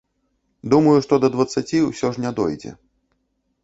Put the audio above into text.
Думаю, што да дваццаці ўсё ж не дойдзе.